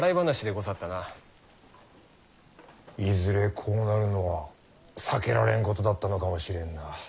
いずれこうなるのは避けられんことだったのかもしれんな。